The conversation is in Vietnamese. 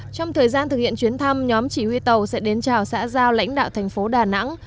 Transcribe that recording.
trong thời gian thực hiện chuyến thăm nhóm chỉ huy tàu sẽ đến chào xã giao lãnh đạo thành phố đà nẵng